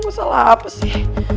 gue salah apa sih